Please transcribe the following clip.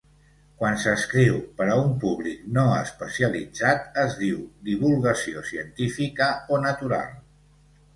Quan s'escriu per a un públic no especialitzat, es diu divulgació científica o natural.